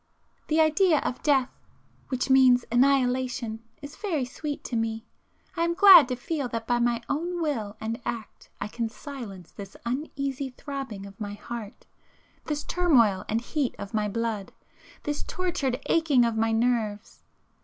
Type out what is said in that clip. The idea of death,—which means annihilation,—is very sweet to me. I am glad to feel that by my own will and act I can silence this uneasy throbbing of my heart, this turmoil and heat of my blood,—this tortured aching of my nerves.